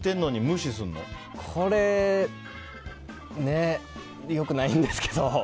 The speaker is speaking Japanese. これね良くないんですけど。